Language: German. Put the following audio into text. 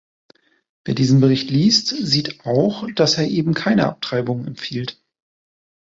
Wer diesen Bericht liest, sieht auch, dass er eben keine Abtreibungen empfiehlt.